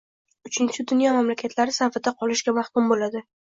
«uchinchi dunyo» mamlakatlari safida qolishga mahkum bo‘ladi.